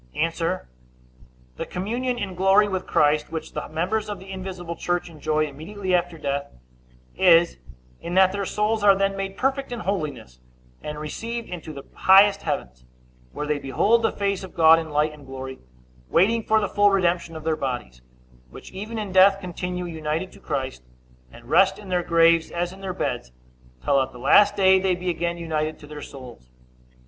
A. The communion in glory with Christ which the members of the invisible church enjoy immediately after death, is, in that their souls are then made perfect in holiness, and received into the highest heavens, where they behold the face of God in light and glory, waiting for the full redemption of their bodies, which even in death continue united to Christ, and rest in their graves as in their beds, till at the last day they be again united to their souls.